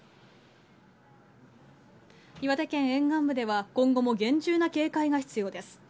岩手県沿岸部では、今後も厳重な警戒が必要です。